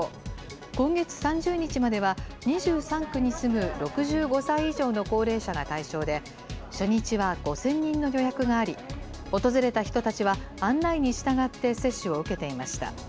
今月３０日までは、２３区に住む６５歳以上の高齢者が対象で、初日は５０００人の予約があり、訪れた人たちは案内に従って接種を受けていました。